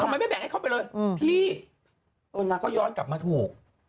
ไม่แบ่งให้เขาไปเลยพี่เออนางก็ย้อนกลับมาถูก